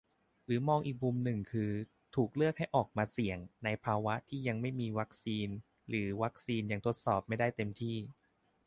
หรือมองอีกมุมก็คือ ถูกเลือกให้ออกมา "เสี่ยง" ในภาวะที่ยังไม่มีวัคซีนหรือวัคซีนยังทดสอบไม่ได้เต็มที่